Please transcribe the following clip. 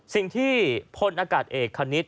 สิ่งที่พลอากาศเอกคณิต